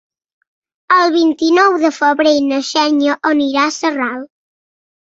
El vint-i-nou de febrer na Xènia anirà a Sarral.